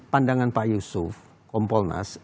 pandangan pak yusuf kompolnas